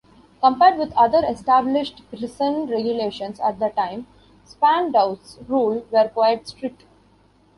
Compared with other established prison regulations at the time, Spandau's rules were quite strict.